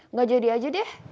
nggak jadi aja deh